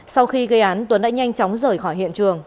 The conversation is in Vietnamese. sau khi gây án tuấn đã nhanh chóng rời khỏi hiện trường